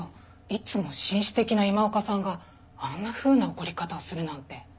いつも紳士的な今岡さんがあんなふうな怒り方をするなんて。